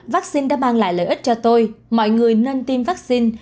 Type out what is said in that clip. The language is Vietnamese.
vaccine đã mang lại lợi ích cho tôi mọi người nên tiêm vaccine